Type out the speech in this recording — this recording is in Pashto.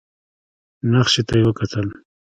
نخشې ته يې وکتل.